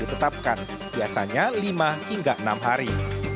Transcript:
ditetapkan biasanya lima hingga enam hari